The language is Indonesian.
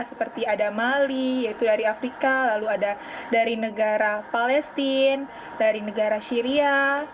seperti ada mali yaitu dari afrika lalu ada dari negara palestina dari negara syria